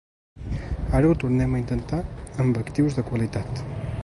Ara ho tornem a intentar amb actius de qualitat.